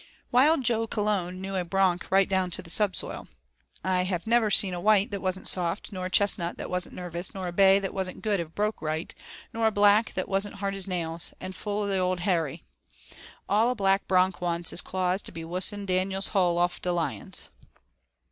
Wild Jo Calone knew a 'bronk right down to subsoil.' "I never seen a white that wasn't soft, nor a chestnut that wasn't nervous, nor a bay that wasn't good if broke right, nor a black that wasn't hard as nails, an' full of the old Harry. All a black bronk wants is claws to be wus'n Daniel's hull outfit of lions."